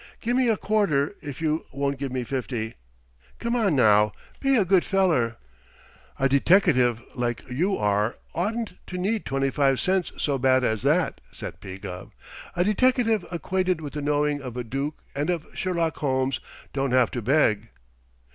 Gimme a quarter if you won't give me fifty. Come on, now, be a good feller." "A deteckative like you are oughtn't to need twenty five cents so bad as that," said P. Gubb. "A deteckative acquainted with the knowing of a Dook and of Sherlock Holmes don't have to beg."